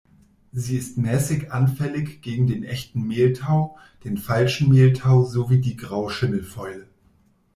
Sie ist mäßig anfällig gegen den Echten Mehltau, den Falschen Mehltau sowie die Grauschimmelfäule.